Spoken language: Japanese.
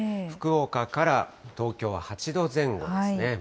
福岡から東京は８度前後ですね。